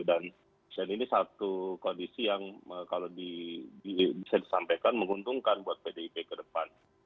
dan ini satu kondisi yang kalau bisa disampaikan menguntungkan buat pdip ke depan